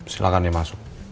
silahkan dia masuk